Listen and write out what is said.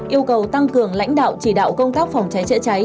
yêu cầu tăng cường lãnh đạo chỉ đạo công tác phòng cháy chữa cháy